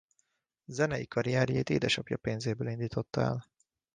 Zenei karrierjét édesapja pénzéből indította el.